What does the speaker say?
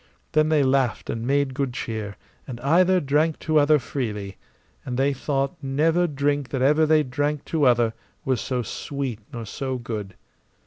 Then they laughed and made good cheer, and either drank to other freely, and they thought never drink that ever they drank to other was so sweet nor so good.